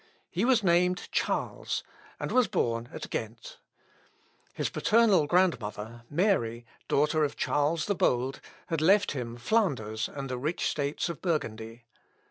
He was named Charles, and was born at Ghent. His paternal grandmother, Mary, daughter of Charles the Bold, had left him Flanders and the rich States of Burgundy.